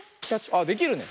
あっできるね。